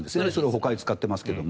ほかへ使ってますけど。